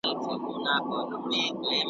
جهاني هلته مي شکمن پر خپله مینه سمه .